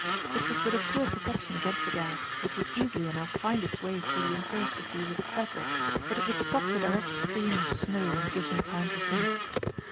It was but a poor protection against the gas, which would easily enough find its way through the interstices of the fabric; but it would stop the direct stream of snow and give me time to think.